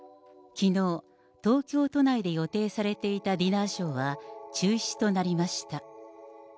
きのう、東京都内で予定されていたディナーショーは中止となりました。